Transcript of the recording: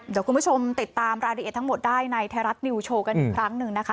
เดี๋ยวคุณผู้ชมติดตามรายละเอียดทั้งหมดได้ในไทยรัฐนิวโชว์กันอีกครั้งหนึ่งนะคะ